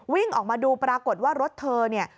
วิ่งออกมาดูปรากฏว่ารถเธอเนี่ย